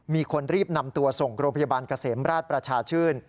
มีคนรีบนำตัวส่งโรงพยาบาลเกษมราชประชาชื่น